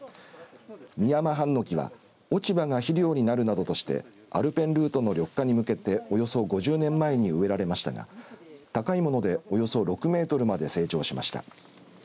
ミヤマハンノキは落葉が肥料になるなどとしてアルペンルートの緑化に向けておよそ５０年前に植えられましたが高いものでおよそ６メートルまで成長しました。